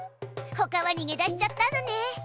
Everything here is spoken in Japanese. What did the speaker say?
ほかはにげ出しちゃったのね。